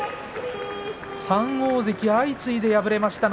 ３大関、相次いで敗れました